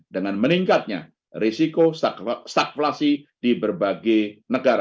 dengan meningkatnya risiko stagflasi di berbagai negara